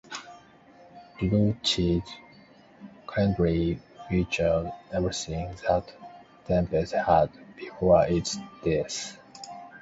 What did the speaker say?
JudoChess currently features everything that Tempest had before its death.